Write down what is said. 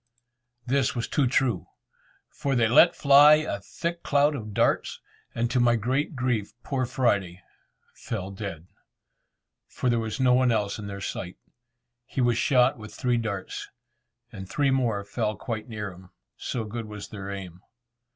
This was too true, for they let fly a thick cloud of darts, and to my great grief poor Friday fell dead, for there was no one else in their sight. He was shot with three darts, and three more fell quite near him, so good was their aim.